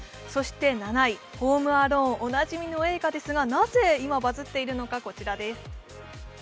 ７位、「ホーム・アローン」、おなじみの映画ですがなぜ今バズっているのか、こちらです。